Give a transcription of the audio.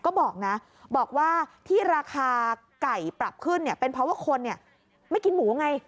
ก็บอกนะบอกว่าที่ราคาไก่ปรับขึ้นเนี่ยเป็นเพราะว่าคนไม่กินหมูไง